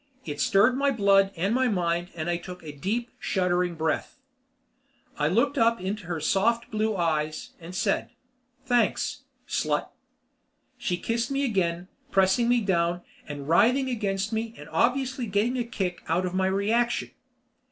It stirred my blood and my mind and I took a deep, shuddering breath. I looked up into her soft blue eyes and said, "Thanks slut!" She kissed me again, pressing me down and writhing against me and obviously getting a kick out of my reaction.